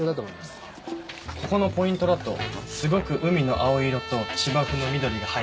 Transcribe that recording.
ここのポイントだとすごく海の青色と芝生の緑が映えて。